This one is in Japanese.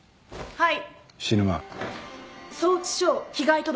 はい。